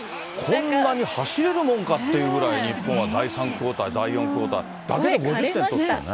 こんなに走れるもんかっていうくらい日本は第３クオーター、第４クオーターだけで５０点取ったよね。